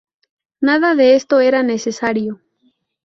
Nada de esto era necesario"".